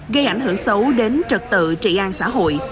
gây ảnh hưởng xấu đến trật tự trị an xã hội